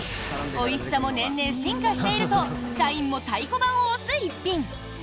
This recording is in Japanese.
おいしさも年々進化していると社員も太鼓判を押す一品！